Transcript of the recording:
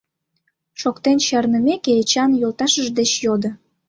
Шоктен чарнымеке, Эчан йолташыж деч йодо: